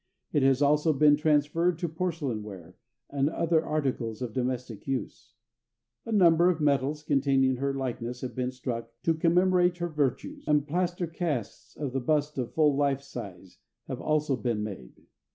It has also been transferred to porcelain ware and other articles of domestic use. A number of medals containing her likeness have been struck to commemorate her virtues, and plaster casts of the bust of full life size have also been made.